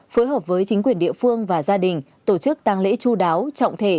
phối hợp với chính quyền địa phương và gia đình tổ chức tăng lễ chú đáo trọng thể